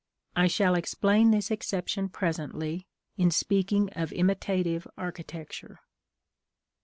I shall explain this exception presently, in speaking of imitative architecture.